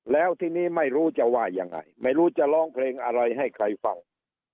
แล้วทีนี้ไม่รู้จะว่ายังไงไม่รู้จะร้องเพลงอะไรให้ใครฟัง